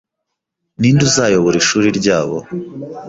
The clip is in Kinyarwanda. Ninde uzayobora ishuri ryabo?